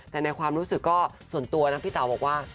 แต่ในความรู้สึกก็ส่วนตัวนะพี่เต๋าบอกว่า